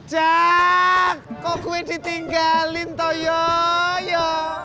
ojak kok gue ditinggalin toh yoyo